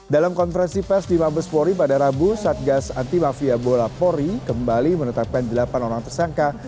dalam konferensi pers di mabespori pada rabu satgas anti mafia bola polri kembali menetapkan delapan orang tersangka